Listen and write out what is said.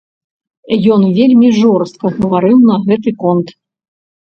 Ён вельмі жорстка гаварыў на гэты конт.